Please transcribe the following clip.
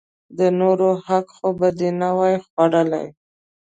د نورو حق خو به دې نه وي خوړلئ!